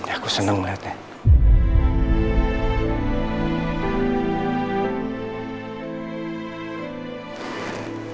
aku seneng ngeliatnya